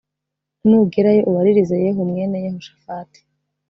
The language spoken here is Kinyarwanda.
Nugerayo ubaririze Yehu mwene Yehoshafati